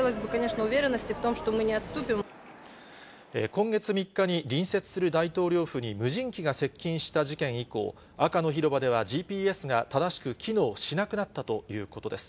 今月３日に、隣接する大統領府に無人機が接近した事件以降、赤の広場では、ＧＰＳが正しく機能しなくなったということです。